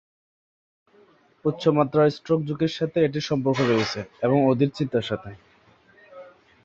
উচ্চমাত্রার স্ট্রোক ঝুঁকির সাথে এটির সম্পর্ক রয়েছে এবং অধিক চিন্তার সাথে।